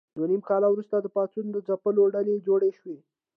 دوه نیم کاله وروسته د پاڅون د ځپلو ډلې جوړې شوې.